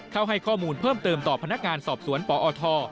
เข้าให้ข้อมูลเพิ่มเติมต่อพนักงานสอบสวนปอท